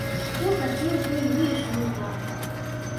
Хто хацеў, той выйшаў і так.